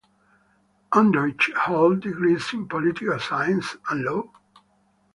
Honderich holds degrees in political science and law.